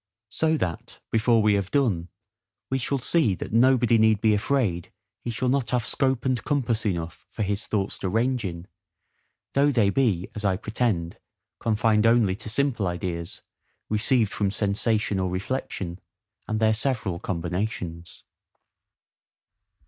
So that, before we have done, we shall see that nobody need be afraid he shall not have scope and compass enough for his thoughts to range in, though they be, as I pretend, confined only to simple ideas, received from sensation or reflection, and their several combinations.